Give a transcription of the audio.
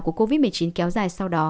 của covid một mươi chín kéo dài sau đó